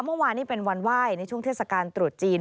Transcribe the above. เมื่อวานนี้เป็นวันไหว้ในช่วงเทศกาลตรุษจีน